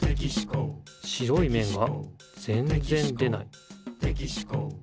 白いめんがぜんぜん出ない。